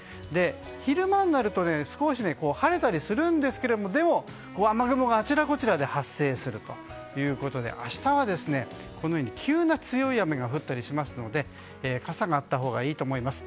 昼間になると少し晴れたりするんですが雨雲が、あちらこちらで発生するということで明日は急な強い雨が降ったりしますので傘があったほうがいいと思います。